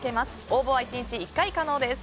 応募は１日１回可能です。